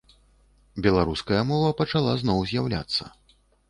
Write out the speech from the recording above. Беларуская мова пачала зноў з'яўляцца.